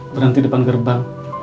berhenti depan gerbang